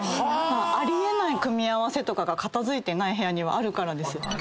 あり得ない組み合わせとか片付いてない部屋にはあるから。